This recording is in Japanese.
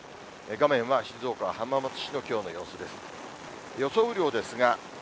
画面は静岡・浜松市のきょうの様子です。